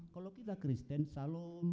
kalau kita kristen salam